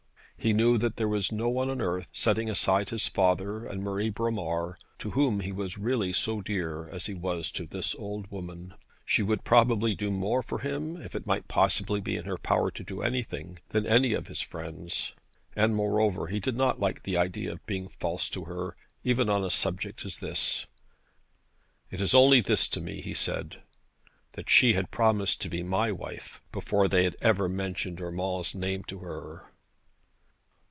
He knew that there was no one on earth, setting aside his father and Marie Bromar, to whom he was really so dear as he was to this old woman. She would probably do more for him, if it might possibly be in her power to do anything, than any other of his friends. And, moreover, he did not like the idea of being false to her, even on such a subject as this. 'It is only this to me,' he said, 'that she had promised to be my wife, before they had ever mentioned Urmand's name to her.'